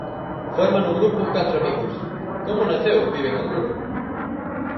Forman o grupo catro amigos, como naceu Pibe Canguro?